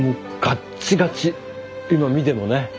今見てもね。